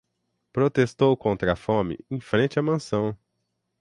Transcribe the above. Protestou contra a fome em frente à mansão